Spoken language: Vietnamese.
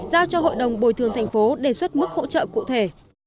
giao cho hội đồng bồi thường tp hcm đề xuất mức hỗ trợ cụ thể